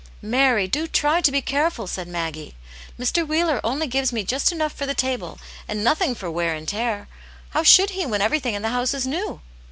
" Mary, do try to be careful," said Maggie. " Mr. Wheeler only gives me just enough for the table, and nothing for wear and tear ; how should he, when everything in the house is new